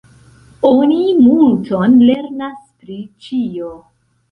Oni multon lernas pri ĉio.